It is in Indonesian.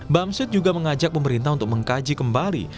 bamsud juga mengajak pemerintah untuk mengkaji kembali